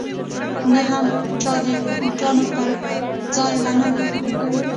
نه هم چا د بوټانو پر ځای غنم په پښو کړي